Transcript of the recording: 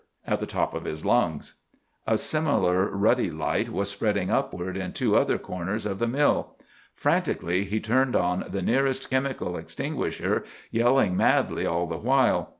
at the top of his lungs. A similar ruddy light was spreading upward in two other corners of the mill. Frantically he turned on the nearest chemical extinguisher, yelling madly all the while.